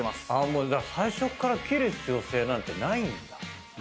もう最初から切る必要性なんてないんだ。